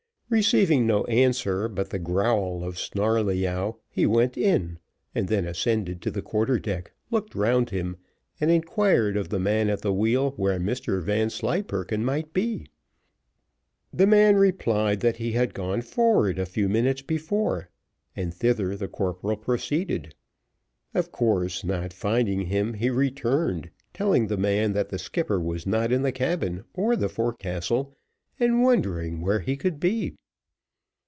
Receiving no answer but the growl of Snarleyyow, he went in, and then ascended to the quarter deck, looked round him, and inquired of the man at the wheel where Mr Vanslyperken might be. The man replied that he had gone forward a few minutes before, and thither the corporal proceeded. Of course, not finding him, he returned, telling the man that the skipper was not in the cabin or the forecastle, and wondering where he could be.